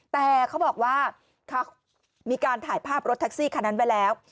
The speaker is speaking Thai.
แต่เขาบอกว่าเขามีการถ่ายภาพรถแท็กซี่คันนั้นไว้แล้ว